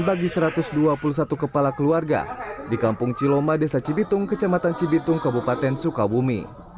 bagi satu ratus dua puluh satu kepala keluarga di kampung ciloma desa cibitung kecamatan cibitung kabupaten sukabumi